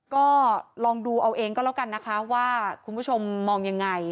ก็ลองดูเอาเองก็แล้วกันนะคะว่าคุณผู้ชมมองยังไง